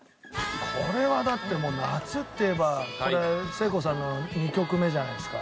これはだってもう夏っていえばこれ聖子さんの２曲目じゃないですか。